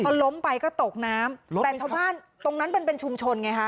พอล้มไปก็ตกน้ำแต่ชาวบ้านตรงนั้นมันเป็นชุมชนไงฮะ